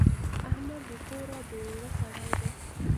احمد بې کوره او بې اوره سړی دی.